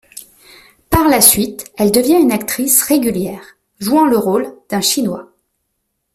Par la suite, elle devient une actrice régulière, jouant le rôle d'un chinois.